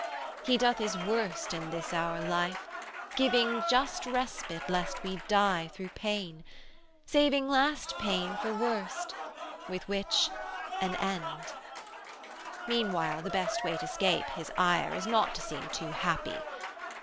He doth His worst in this our life, Giving just respite lest we die through pain, Saving last pain for worst with which, an end. 255 Meanwhile, the best way to escape His ire Is not to seem too happy.